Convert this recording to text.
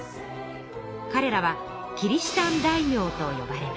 かれらはキリシタン大名とよばれました。